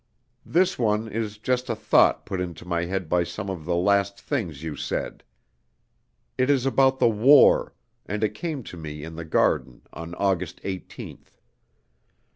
This one is just a thought put into my head by some of the last things you said. It is about the war, and it came to me in the garden on August 18th.